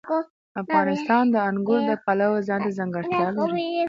افغانستان د انګور د پلوه ځانته ځانګړتیا لري.